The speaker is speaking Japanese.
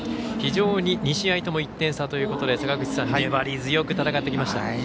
非常に、２試合とも１点差ということで粘り強く戦ってきました。